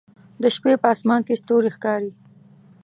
د شپې په اسمان کې ستوري ښکاري